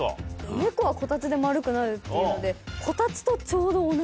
猫はこたつで丸くなるっていうので。